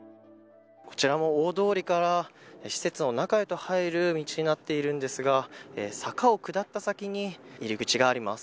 こちらも大通りから施設の中へと入る道になっているんですが坂を下った先に入り口があります。